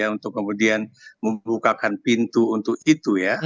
untuk kemudian membukakan pintu untuk itu ya